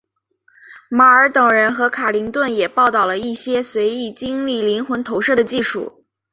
马尔等人和卡林顿也报道了一些随意经历灵魂投射的技术。